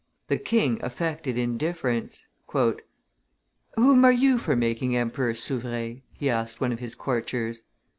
The king affected indifference. "Whom are you for making emperor, Souvre?" he asked one of his courtiers.